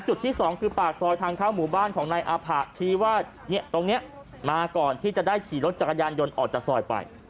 จุดที่๒คือปากซอยทางเข้าหมู่บ้านของนายอาผะชี้ว่าตรงนี้มาก่อนที่จะได้ขี่รถจักรยานยนต์ออกจากซอยไป